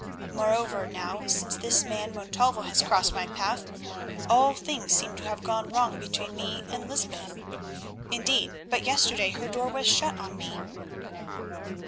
Moreover, now since this man Montalvo has crossed my path, all things seem to have gone wrong between me and Lysbeth; indeed but yesterday her door was shut on me."